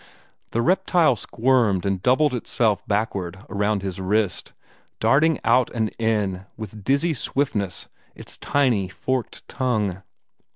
The reptile squirmed and doubled itself backward around his wrist, darting out and in with dizzy swiftness its tiny forked tongue.